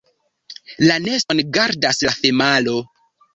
La neston gardas la femalo.